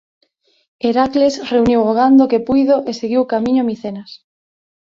Heracles reuniu o gando que puido e seguiu camiño a Micenas.